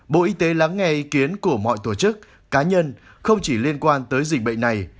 bộ y tế lắng nghe ý kiến của mọi tổ chức cá nhân không chỉ liên quan tới dịch bệnh này